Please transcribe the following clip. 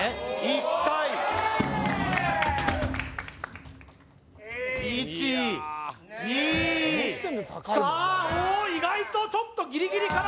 １回１２３お意外とちょっとギリギリかな